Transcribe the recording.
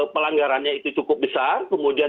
pelanggarannya itu cukup besar kemudian